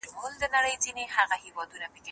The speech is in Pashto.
زه مخکي مېوې خوړلې وه!؟